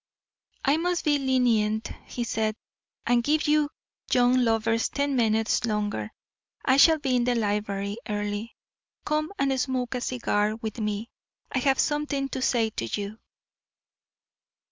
"I must be lenient," he said, "and give you young lovers ten minutes longer. I shall be in the library, Earle. Come and smoke a cigar with me. I have something to say to you."